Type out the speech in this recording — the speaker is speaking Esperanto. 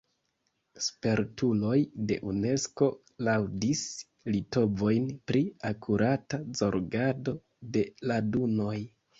Spertuloj de Unesko laŭdis litovojn pri akurata zorgado de la dunoj.